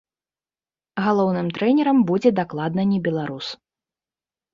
Галоўным трэнерам будзе дакладна не беларус.